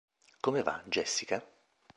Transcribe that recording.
Come va, Jessica?